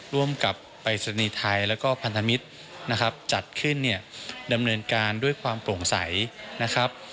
ร่วมกับปริศนีทัยและพันธมิตรจัดขึ้นดำเนินการด้วยความโปร่งใสนะครับ